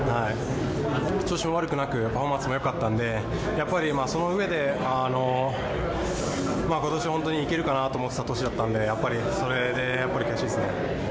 調子は悪くなく、パフォーマンスもよかったので、そのうえで今年、いけるかなと思っていた年だったのでやっぱりそれで悔しいですね。